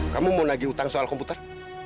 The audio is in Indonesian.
kamu mau nagih utang soal komputer